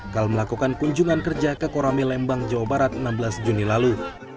kalau melakukan kunjungan kerja ke korami lembang jawa barat enam belas juni lalu